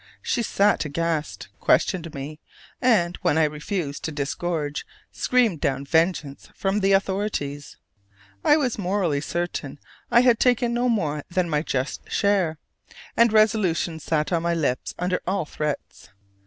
She sat aghast, questioned me, and, when I refused to disgorge, screamed down vengeance from the authorities. I was morally certain I had taken no more than my just share, and resolution sat on my lips under all threats.